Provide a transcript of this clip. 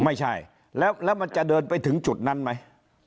ไม่ใช่แล้วมันจะเดินไปถึงจุดนั้นไหม